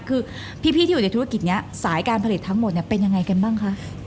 คือพี่ที่อยู่ในธุรกิจนี้สายการผลิตทั้งหมดเป็นยังไงกันบ้างคะ